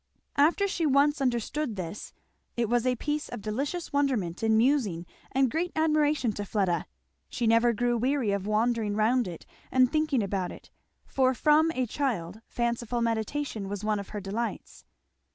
After she once understood this it was a piece of delicious wonderment and musing and great admiration to Fleda; she never grew weary of wandering round it and thinking about it, for from a child fanciful meditation was one of her delights.